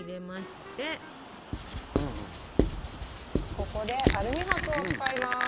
ここでアルミ箔を使います。